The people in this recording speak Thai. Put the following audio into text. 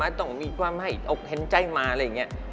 มาต้องมีความแอลอคเท็นต์ใจอะไรอย่างนี้